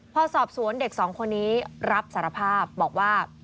พอสอบสวนเด็กสองคนนี้รับสารภาพบอกว่า